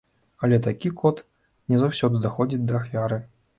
Але такі код не заўсёды даходзіць да ахвяры.